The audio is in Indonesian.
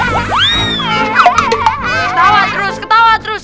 ketawa terus ketawa terus